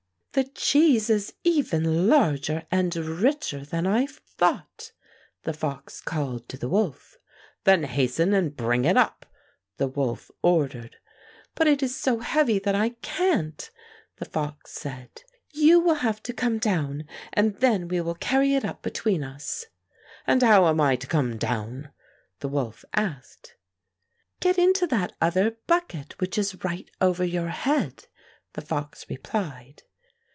"The cheese is even larger and richer than I thought," the fox called to the wolf. "Then hasten and bring it up," the wolf ordered. "But it is so heavy that I can't," the fox Fairy Tale Foxes 175 said. ''You will have to come down, and then we will carry it up between us." "And how am I to come down?" the wolf asked. " Get into that other bucket which is right over your head," the fox replied.